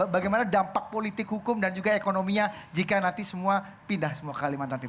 bagaimana dampak politik hukum dan juga ekonominya jika nanti semua pindah semua kalimantan timur